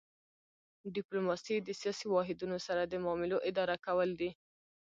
ډیپلوماسي د سیاسي واحدونو سره د معاملو اداره کول دي